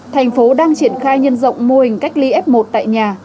thành phố đang triển khai nhân rộng mô hình cách ly f một tại nhà